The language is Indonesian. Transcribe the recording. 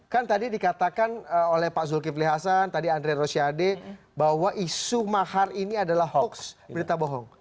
kan tadi dikatakan oleh pak zulkifli hasan tadi andre rosiade bahwa isu mahar ini adalah hoax berita bohong